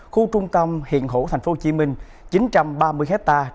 khu trung tâm hiện hữu tp hcm chín trăm ba mươi ha